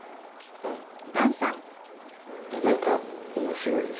何か面白いです。